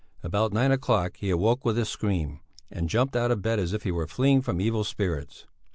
About nine o'clock he awoke with a scream, and jumped out of bed as if he were fleeing from evil spirits.